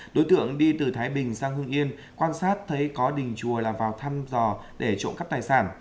đối tượng đi từ thái bình sang hưng yên quan sát thấy có đình chùa làm vào thăn giò để trộm cắp tài sản